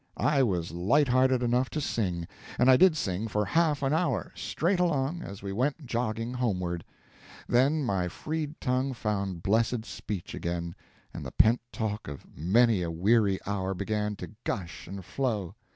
I was light hearted enough to sing; and I did sing for half an hour, straight along, as we went jogging homeward. Then my freed tongue found blessed speech again, and the pent talk of many a weary hour began to gush and flow.